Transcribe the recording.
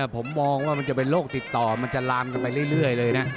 ผมมองว่ามันจะเป็นโรคติดต่อมันจะลามกันไปเรื่อยเลยนะ